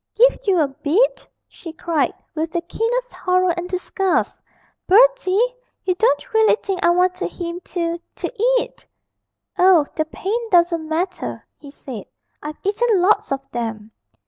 'Give you a bit!' she cried, with the keenest horror and disgust. 'Bertie! you don't really think I wanted him to to eat.' 'Oh, the paint doesn't matter,' he said; 'I've eaten lots of them.'